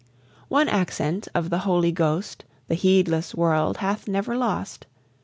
One accent of the Holy Ghost The heedless world hath never lost.